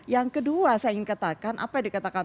yang kedua saya ingin katakan apa yang dikatakan